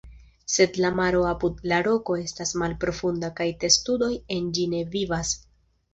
Sed la maro apud la roko estas malprofunda kaj testudoj en ĝi ne vivas.